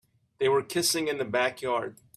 They were kissing in the backyard.